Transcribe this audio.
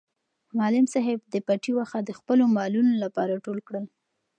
معلم صاحب د پټي واښه د خپلو مالونو لپاره ټول کړل.